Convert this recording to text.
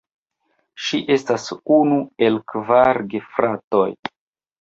Ŝi estas unu el kvar gefratoj.